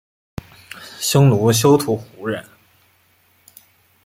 匈奴休屠胡人。